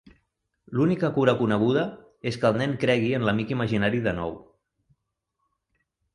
L'única cura coneguda és que el nen cregui en l'amic imaginari de nou.